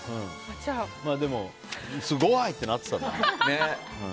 でも、すごい！ってなったんだ。